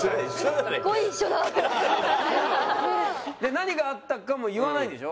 何があったかも言わないんでしょ？